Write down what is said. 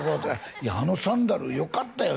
「いやあのサンダルよかったよ」